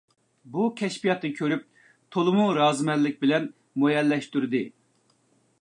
بۇ كەشپىياتنى كۆرۈپ تولىمۇ رازىمەنلىك بىلەن مۇئەييەنلەشتۈردى.